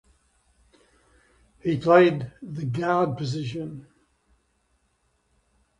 He played the guard position.